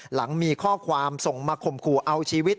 หลังมีข้อความส่งมาข่มขู่เอาชีวิต